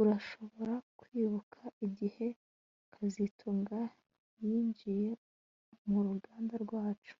Urashobora kwibuka igihe kazitunga yinjiye muruganda rwacu